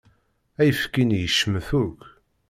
Ayefki-nni yecmet akk.